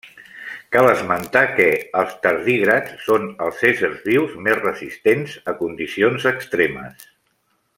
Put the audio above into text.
Cal esmentar que, els tardígrads són els éssers vius més resistents a condicions extremes.